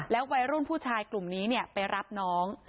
วัยรุ่นผู้ชายกลุ่มนี้ไปรับน้อง